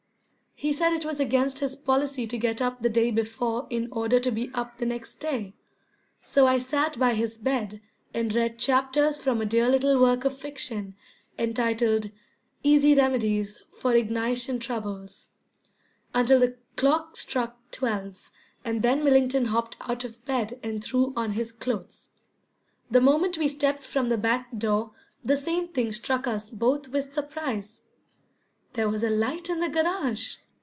He said it was against his policy to get up the day before in order to be up the next day, so I sat by his bed and read chapters from a dear little work of fiction entitled "Easy Remedies for Ignition Troubles," until the clock struck twelve, and then Millington hopped out of bed and threw on his clothes. The moment we stepped from the back door the same thing struck us both with surprise. There was a light in the garage!